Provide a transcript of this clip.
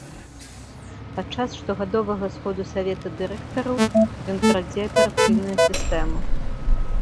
Падчас штогадовага сходу савета дырэктараў ён крадзе аперацыйную сістэму.